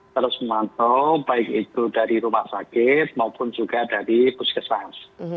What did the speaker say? terus memantau baik itu dari rumah sakit maupun juga dari puskesmas